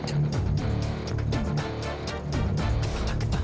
entah tak ada di mana